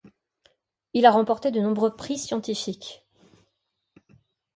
Il a remporté de nombreux prix scientifiques.